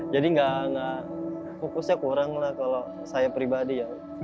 jadi fokusnya kurang lah kalau saya pribadi